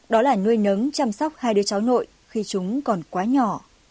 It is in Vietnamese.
đó là nuôi nấng chăm sóc hai đứa cháu nội khi chúng còn quá nhỏ